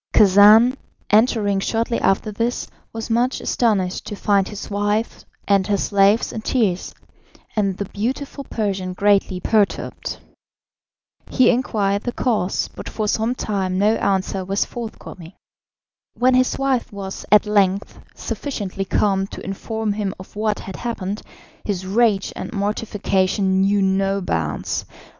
Khacan, entering shortly after this, was much astonished to find his wife and her slaves in tears, and the beautiful Persian greatly perturbed. He inquired the cause, but for some time no answer was forthcoming. When his wife was at length sufficiently calm to inform him of what had happened, his rage and mortification knew no bounds.